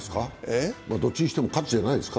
どっちにしても喝じゃないですか？